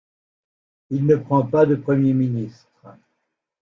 Il ne prend pas de premier ministre.